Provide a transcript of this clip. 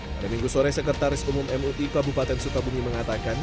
pada minggu sore sekretaris umum mui kabupaten sukabumi mengatakan